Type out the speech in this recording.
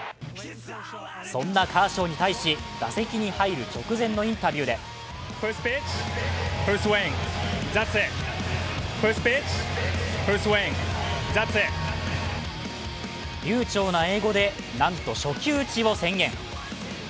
そんなカーショーに対し座席に入る直前のインタビューで流ちょうな英語でなんと初球打ちを宣言。